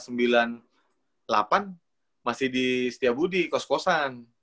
masih di setiabudi kos kosan